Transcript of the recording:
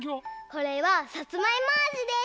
これはさつまいもあじです！